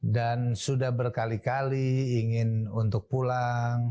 dan sudah berkali kali ingin untuk pulang